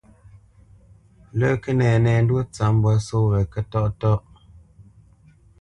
Lə́ Kənɛnɛndwó tsâp mbwǎ só wě Kətɔ́ʼtɔ́ʼ.